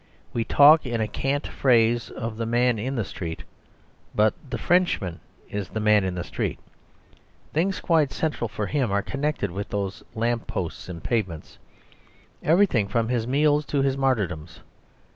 We talk in a cant phrase of the Man in the Street, but the Frenchman is the man in the street. Things quite central for him are connected with these lamp posts and pavements; everything from his meals to his martyrdoms.